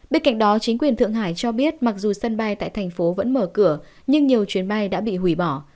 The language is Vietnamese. bên cạnh đó chính quyền thượng hải cho biết mặc dù sân bay tại thành phố vẫn mở cửa nhưng nhiều chuyến bay đã bị hủy bỏ